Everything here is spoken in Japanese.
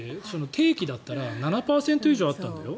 定期だったら７％以上あったんだよ。